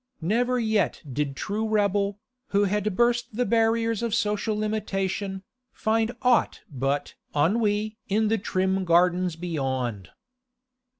Never yet did true rebel, who has burst the barriers of social limitation, find aught but ennui in the trim gardens beyond.